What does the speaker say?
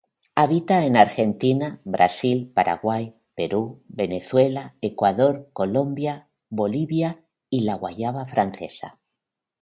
Habita en Argentina, Brasil, Paraguay, Perú, Venezuela, Ecuador, Colombia, Bolivia y la Guayana Francesa.